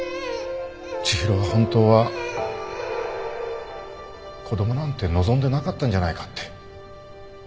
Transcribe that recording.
千尋は本当は子供なんて望んでなかったんじゃないかって。